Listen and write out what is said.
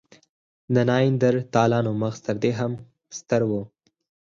د نایندرتالانو مغز تر دې هم ستر و.